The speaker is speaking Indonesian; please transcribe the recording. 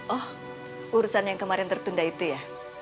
oh urusan yang kemarin tertunda itu ya